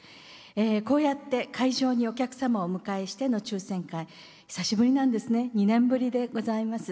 こうやって会場にお客様をお迎えしての抽せん会久しぶりなんですね、２年ぶりでございます。